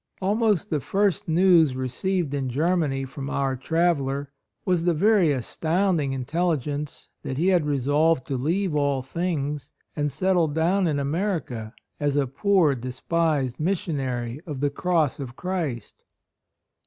Almost the first news received in Germany from our traveller was the very astounding in telligence that he had resolved to leave all things and settle AND MOTHER. 51 down in America as a poor, despised missionary of the Cross of Christ.